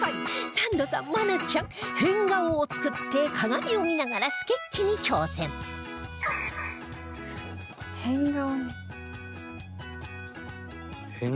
サンドさん愛菜ちゃん変顔を作って鏡を見ながらスケッチに挑戦変顔？